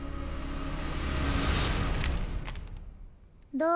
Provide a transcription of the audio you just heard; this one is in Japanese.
どう？